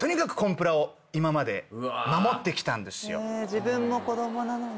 自分も子供なのに。